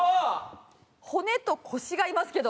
「骨」と「腰」がいますけど。